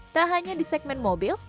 tak hanya di segmen mobil